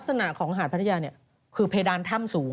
คือลักษณะหาดพัทยาคือเพดานถ้ำสูง